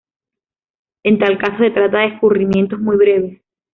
En tal caso se trata de escurrimientos muy breves.